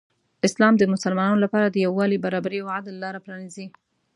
اسلام د مسلمانانو لپاره د یو والي، برابري او عدل لاره پرانیزي.